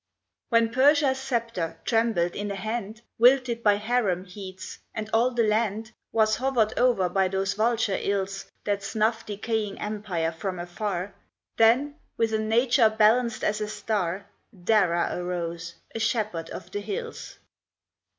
When Persia's sceptre trembled in a hand Wilted by harem heats, and all the land Was hovered over by those vulture ills That snuff decaying empire from afar, Then, with a nature balanced as a star, Dara arose, a shepherd of the hills.